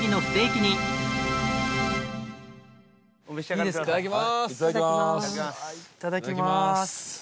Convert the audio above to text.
いただきます。